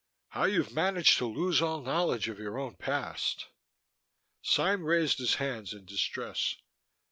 How you've managed to lose all knowledge of your own past " Sime raised his hands in distress.